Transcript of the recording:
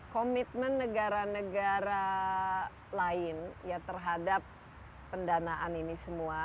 komitmen negara negara lain ya terhadap pendanaan ini semua